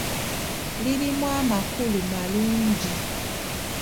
Lirimu amakulu malungi.